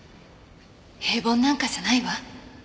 平凡なんかじゃないわ。